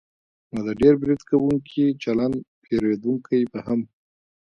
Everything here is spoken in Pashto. نو د ډېر برید کوونکي چلند پېرودونکی به هم